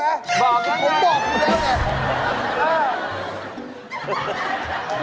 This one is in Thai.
บอกแล้วนะครับผมบอกอยู่แล้วเนี่ย